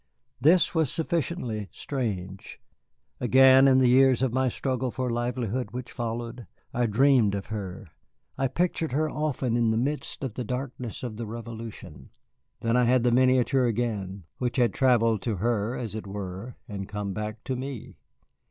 This was sufficiently strange. Again, in the years of my struggle for livelihood which followed, I dreamed of her; I pictured her often in the midst of the darkness of the Revolution. Then I had the miniature again, which had travelled to her, as it were, and come back to me.